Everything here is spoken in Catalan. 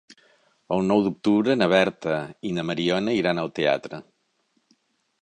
El nou d'octubre na Berta i na Mariona iran al teatre.